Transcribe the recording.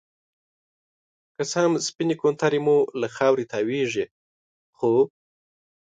که څه هم سپينې کونترې مو له خاورې تاويږي ،خو